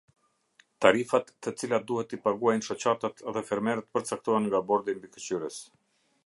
Tarifat të cilat duhet t'i paguajnë shoqatat dhe fermerët përcaktohen nga Bordi mbikëqyrës.